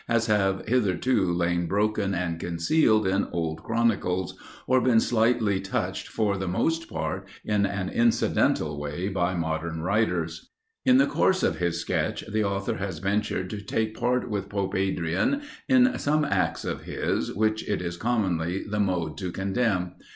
as have hitherto lain broken and concealed in old chronicles, or been slightly touched for the most part in an incidental way by modern writers. In the course of his sketch, the author has ventured to take part with Pope Adrian in some acts of his, which it is commonly the mode to condemn.